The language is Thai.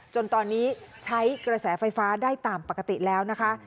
จนตอนนี้ใช้กระแสไฟฟ้าได้ตามปกติแล้วนะคะ